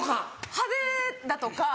派手だとか。